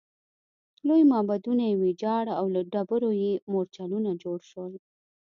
لوی معبدونه یې ویجاړ او له ډبرو یې مورچلونه جوړ شول